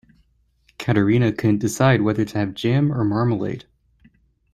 Katerina couldn't decide whether to have jam or marmalade.